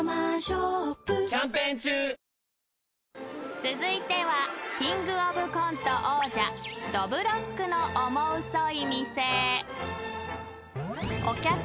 ［続いてはキングオブコント王者どぶろっくのオモウソい店］え！